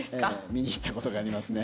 見に行った事がありますね。